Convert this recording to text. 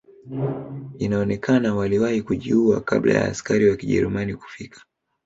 Inaonekana waliwahi kujiua kabla ya askari wa kijerumani kufika